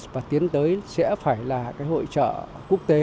và tiến tới sẽ phải là cái hội trợ quốc tế